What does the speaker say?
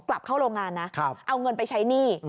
กลับเข้าโรงงานนะเอาเงินไปใช้หนี้